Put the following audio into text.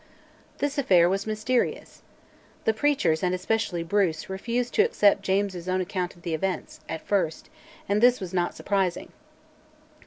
This affair was mysterious. The preachers, and especially Bruce, refused to accept James's own account of the events, at first, and this was not surprising.